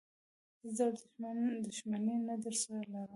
هېڅ ډول دښمني نه درسره لرم.